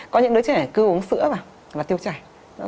có những đứa trẻ cứ uống sữa và tiêu chảy